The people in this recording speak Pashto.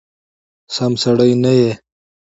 سم سړی نه یې !